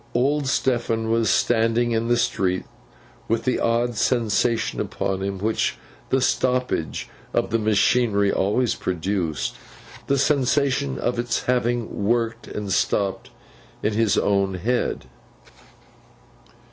Old Stephen was standing in the street, with the old sensation upon him which the stoppage of the machinery always produced—the sensation of its having worked and stopped in his own head.